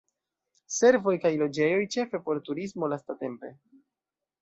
Servoj kaj loĝejoj, ĉefe por turismo lastatempe.